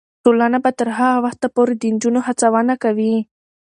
ټولنه به تر هغه وخته پورې د نجونو هڅونه کوي.